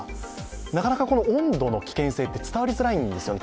なかなか温度の危険性って伝わりづらいんですよね。